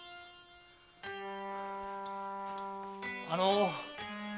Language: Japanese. あの。